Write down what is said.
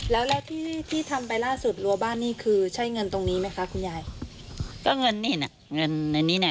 แล้วแล้วที่ที่ทำไปล่าสุดรัวบ้านนี่คือใช่เงินตรงนี้ไหมคะคุณยายก็เงินนี่น่ะเงินในนี้น่ะ